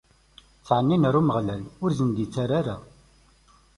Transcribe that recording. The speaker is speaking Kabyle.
Ttɛennin ɣer Umeɣlal, ur sen-d-ittarra ara.